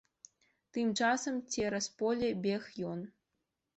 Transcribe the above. Тым часам цераз поле бег ён.